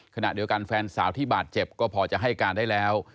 ขณะเดียวกันแฟนสาวที่บาดเจ็บก็พอจะให้การได้แล้ว